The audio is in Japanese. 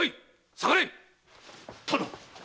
下がれ‼殿！